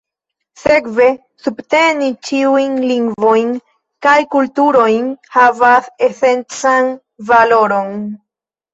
Sekve, subteni ĉiujn lingvojn kaj kulturojn havas esencan valoron.